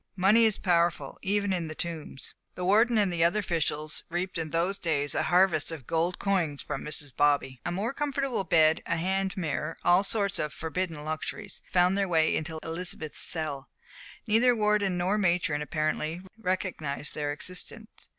Money is powerful, even in The Tombs. The warden and the other officials reaped in those days a harvest of gold coins from Mrs. Bobby. A more comfortable bed, a hand mirror, all sorts of forbidden luxuries, found their way into Elizabeth's cell. Neither warden nor matron apparently recognized their existence.